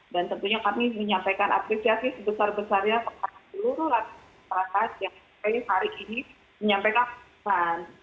dan tentunya kami menyampaikan apresiasi sebesar besarnya kepada seluruh laksanakan yang kami hari ini menyampaikan